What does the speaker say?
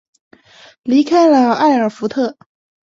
离开了艾尔福特。